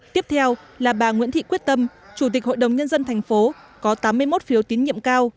tiếp theo là bà nguyễn thị quyết tâm chủ tịch hội đồng nhân dân thành phố có tám mươi một phiếu tín nhiệm cao